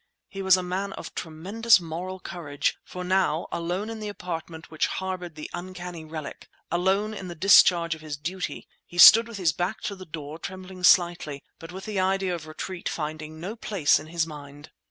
He was a man of tremendous moral courage, for now,—alone in the apartment which harboured the uncanny relic, alone in the discharge of his duty, he stood with his back to the door trembling slightly, but with the idea of retreat finding no place in his mind.